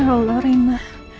ya allah renna